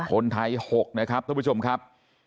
คนไทย๖นะครับทุกประชุมครับ